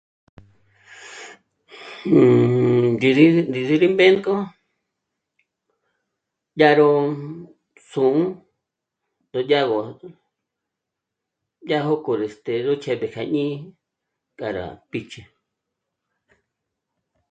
Ndí... ndí rí mbénko dyà ró... s'ū́'ū, dyà gó, dyà gó koj... este... jêch'e kja jñí'i k'a rá pí'ch'e